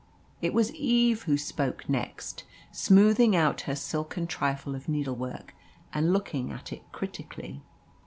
It was Eve who spoke next smoothing out her silken trifle of needlework and looking at it critically.